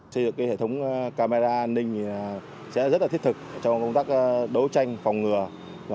xây dựng hệ thống camera an ninh sẽ rất là thiết thực trong công tác đấu tranh phòng ngừa